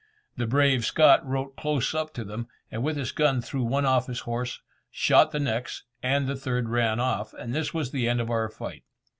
The brave Scot rode close up to them, and with his gun threw one off his horse, shot the next, and the third ran off, and this was the end of our fight.